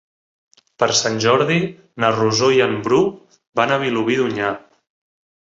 Per Sant Jordi na Rosó i en Bru van a Vilobí d'Onyar.